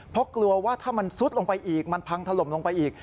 เพราะกลัวว่าถ้ามันซุดลงไปอีกมันพังถล่มลงไปอีก